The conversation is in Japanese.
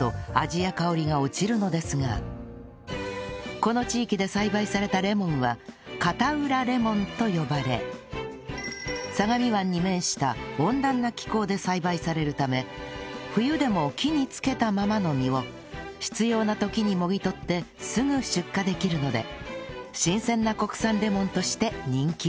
この地域で栽培されたレモンは片浦レモンと呼ばれ相模湾に面した温暖な気候で栽培されるため冬でも木につけたままの実を必要な時にもぎ取ってすぐ出荷できるので新鮮な国産レモンとして人気なんです